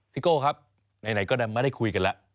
โก้ครับไหนก็ไม่ได้คุยกันแล้ว